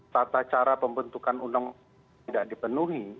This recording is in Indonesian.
tata cara pembentukan undang undang tidak dipenuhi